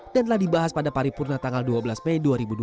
dan telah dibahas pada paripurna tanggal dua belas mei dua ribu dua puluh